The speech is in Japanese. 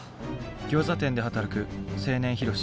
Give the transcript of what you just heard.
ギョーザ店で働く青年ヒロシ。